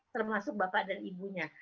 termasuk bapak dan ibunya